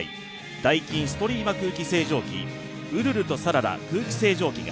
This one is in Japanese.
ダイキンストリーマ空気清浄機うるるとさらら空気清浄機が。